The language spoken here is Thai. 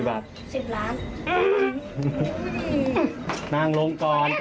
พระต่ายสวดมนต์